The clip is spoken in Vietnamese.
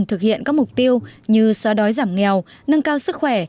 thực hiện các mục tiêu như xóa đói giảm nghèo nâng cao sức khỏe